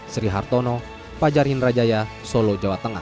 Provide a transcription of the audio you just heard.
sri hartono pajarhin rajaya solo jawa tengah